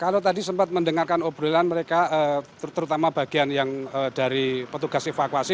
kalau tadi sempat mendengarkan obrolan mereka terutama bagian yang dari petugas evakuasi